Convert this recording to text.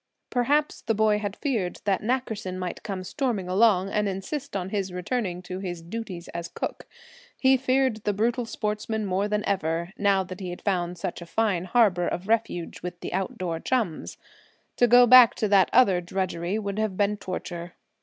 Perhaps the boy had feared that Nackerson might come storming along, and insist on his returning to his duties as cook. He feared the brutal sportsman more than ever, now that he had found such a fine harbor of refuge with the outdoor chums. To go back to that other drudgery would have been torture.